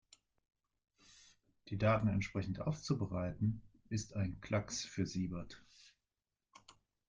Die Daten entsprechend aufzubereiten, ist ein Klacks für Siebert.